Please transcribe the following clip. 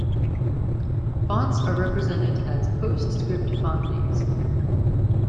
Fonts are represented as PostScript font names.